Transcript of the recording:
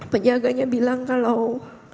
penjaganya bilang kalau